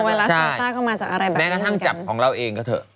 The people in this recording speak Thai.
ไว้กระทั่งจับของเราเองก็เถอะ